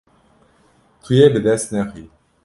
Tu yê bi dest nexî.